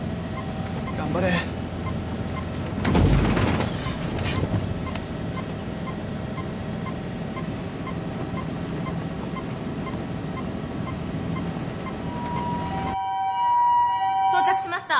頑張れ。到着しました。